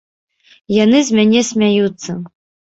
Яны з мяне смяюцца.